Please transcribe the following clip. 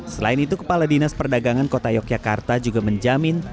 selain itu kepala dinas perdagangan kota yogyakarta juga menjamin